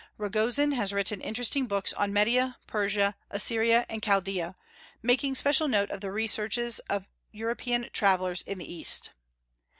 Ragozin has written interesting books on Media, Persia, Assyria, and Chaldaea, making special note of the researches of European travellers in the East.